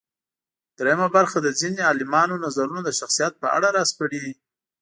درېیمه برخه د ځينې عالمانو نظرونه د شخصیت په اړه راسپړي.